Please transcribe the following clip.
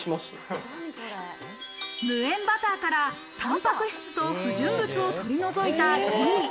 無塩バターからタンパク質と不純物を取り除いたギー。